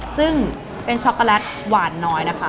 ซึ่งเป็นช็อกโกแลตหวานน้อยนะคะ